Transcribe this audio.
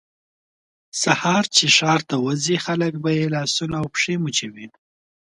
سهار چې ښار ته وځي خلک به یې لاسونه او پښې مچوي.